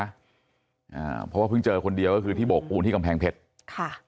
เพราะว่าเพิ่งเจอคนเดียวที่โบกปูนที่กำแพงเพชต